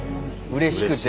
うれしくて。